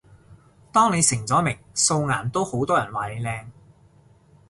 當你成咗名，素顏都好多人話你靚